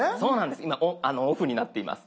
今オフになっています。